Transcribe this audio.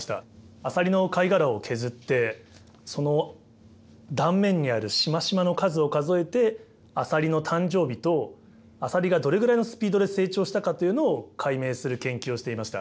アサリの貝殻を削ってその断面にあるしましまの数を数えてアサリの誕生日とアサリがどれぐらいのスピードで成長したかというのを解明する研究をしていました。